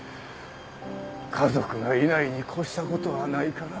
家族がいないに越した事はないから。